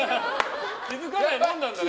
気づかないもんなんだね。